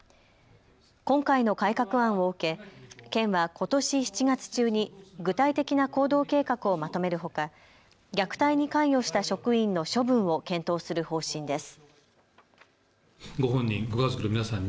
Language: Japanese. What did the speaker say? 今回の改革案を受け県はことし７月中に具体的な行動計画をまとめるほか虐待に関与した職員の処分を検討する方針です。